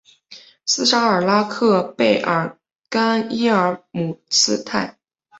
斯沙尔拉克贝尔甘伊尔姆斯泰。